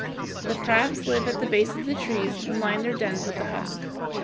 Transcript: The crabs live at the base of the trees and line their dens with the husk.